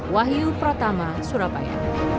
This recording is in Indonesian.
wahyu pratama surabaya